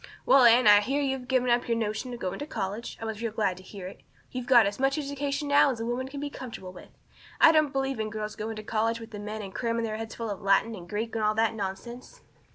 Well, Anne, I hear you've given up your notion of going to college. I was real glad to hear it. You've got as much education now as a woman can be comfortable with. I don't believe in girls going to college with the men and cramming their heads full of Latin and Greek and all that nonsense."